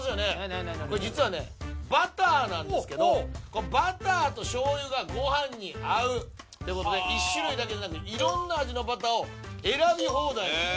何や何やこれ実はねバターなんですけどバターと醤油がごはんに合うってことで１種類だけじゃなく色んな味のバターを選び放題えっ